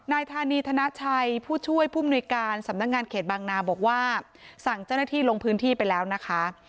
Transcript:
นายธานีธนชัยผู้ช่วยผู้มนุยการสำนักงานเขตบางนาบอกว่าสั่งเจ้าหน้าที่ลงพื้นที่ไปแล้วนะคะ